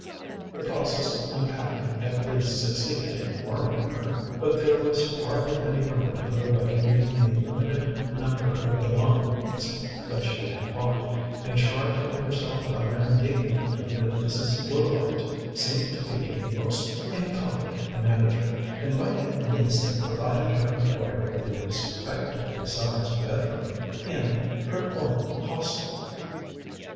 The process of unpacking at least succeeded in warming her. But there was hardly any room to put away even the limited number of belongings that she had brought, and Char told herself rather indignantly that Mrs. Bullivant seemed to be a most incompetent manager, and might at least have provided her employer with a respectably sized bedroom in her own Hostel.